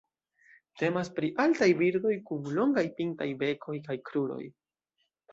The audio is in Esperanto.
Temas pri altaj birdoj kun longaj pintaj bekoj kaj kruroj.